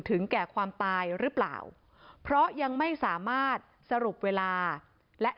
ถึงแก่ความตายหรือเปล่าเพราะยังไม่สามารถสรุปเวลาและ